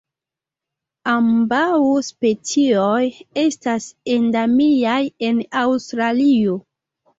Ambaŭ specioj estas endemiaj en Aŭstralio.